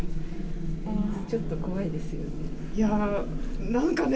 ちょっと怖いですよね。